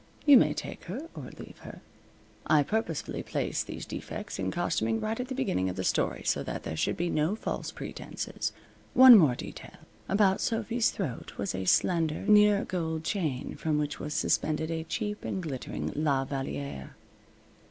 You may take her or leave her. I purposely placed these defects in costuming right at the beginning of the story, so that there should be no false pretenses. One more detail. About Sophy's throat was a slender, near gold chain from which was suspended a cheap and glittering La Valliere.